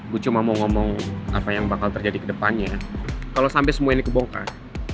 gue cuma mau ngomong apa yang bakal terjadi ke depannya kalau sampai semua ini kebongkar